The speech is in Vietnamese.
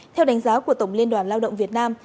theo đánh giá của tổng liên đoàn lao động việt nam